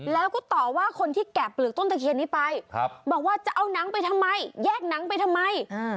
แล้วก็ต่อว่าคนที่แกะเปลือกต้นตะเคียนนี้ไปบอกว่าจะเอาหนังไปทำไมแยกหนังไปทำไม